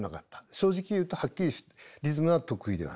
正直言うとはっきりリズムは得意ではない。